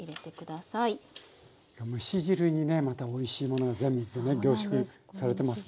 蒸し汁にねまたおいしいものが全部ね凝縮されてますもんね。